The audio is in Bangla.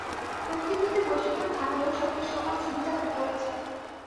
প্রকৃতিতে বৈষম্য থাকলেও সকলের সমান সুবিধা থাকা উচিত।